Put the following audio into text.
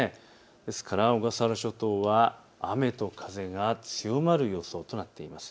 ですから小笠原諸島は雨と風が強まる予想となっています。